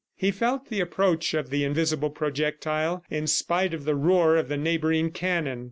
He felt the approach of the invisible projectile, in spite of the roar of the neighboring cannon.